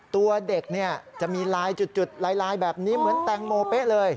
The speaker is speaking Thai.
ตัวเด็กเนี่ยจะมีลายจุดลายแบบนี้เหมือนแตงโมเป๊ะเลย